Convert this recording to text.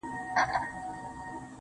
زما له زړه یې جوړه کړې خېلخانه ده.